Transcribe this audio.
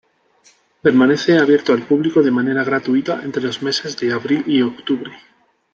Permanece abierto al público de manera gratuita entre los meses de abril y octubre.